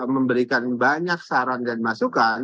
memberikan banyak saran dan masukan